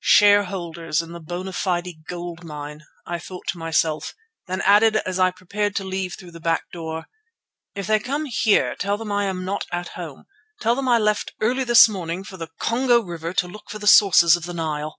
"Shareholders in the Bona Fide Gold Mine," thought I to myself, then added as I prepared to leave through the back door: "If they come here tell them I am not at home. Tell them I left early this morning for the Congo River to look for the sources of the Nile."